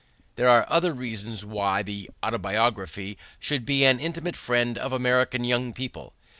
There are other reasons why the Autobiography should be an intimate friend of American young people.